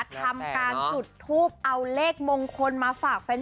ทำการจุดทูปเอาเลขมงคลมาฝากแฟน